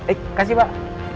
eh kasih pak